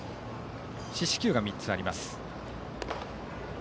四死球が３つあります。